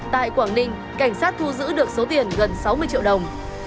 tại quảng ninh cảnh sát thu giữ được số tiền gần sáu mươi triệu đồng